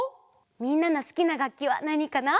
みんなのすきながっきはなにかな？